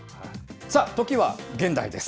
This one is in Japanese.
さあ、時は現代です。